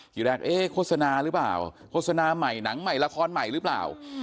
ทีแรกเอ๊ะโฆษณาหรือเปล่าโฆษณาใหม่หนังใหม่ละครใหม่หรือเปล่า